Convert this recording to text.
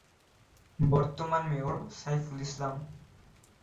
বর্তমান মেয়রঃ সাইফুল ইসলাম